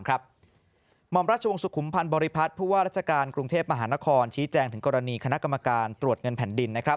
ห่อมราชวงศ์สุขุมพันธ์บริพัฒน์ผู้ว่าราชการกรุงเทพมหานครชี้แจงถึงกรณีคณะกรรมการตรวจเงินแผ่นดิน